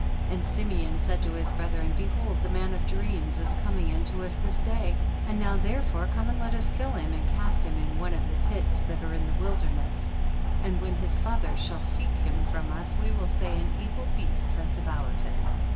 25. And Simeon said to his breth ren, behold the man of dreams is coming unto us this day, and now therefore come and let us kill him and cast him in one of the pits that are in the wilderness, and when his father shall seek him from us, we will say an evil beast has devoured him.